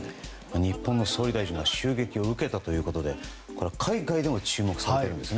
日本の総理大臣が襲撃を受けたということで海外でも注目されているんです。